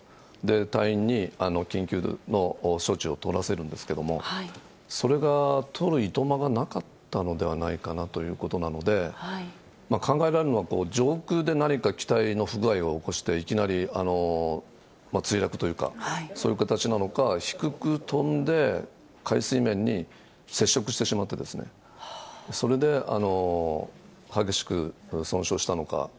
隊員に緊急の措置を取らせるんですけれども、それが取るいとまがなかったのではないかなということなので、考えられるのは上空で何か機体の不具合を起こして、いきなり墜落というか、そういう形なのか、低く飛んで、海水面に接触してしまってですね、それで激しく損傷したのか。